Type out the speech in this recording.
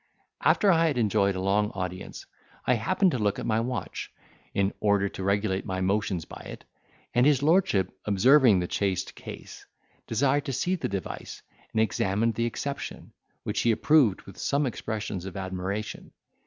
After I had enjoyed a long audience, I happened to look at my watch, in order to regulate my motions by it; and his lordship, observing the chased case, desired to see the device, and examine the exception, which he approved with some expressions of admiration.